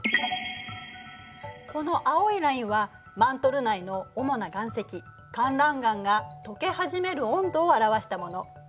この青いラインはマントル内のおもな岩石かんらん岩がとけはじめる温度を表したもの。